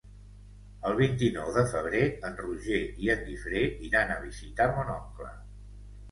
El vint-i-nou de febrer en Roger i en Guifré iran a visitar mon oncle.